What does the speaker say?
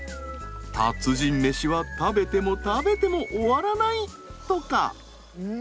達人飯は食べても食べても終わらないとか。